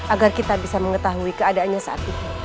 agar kita bisa mengetahui keadaannya saat ini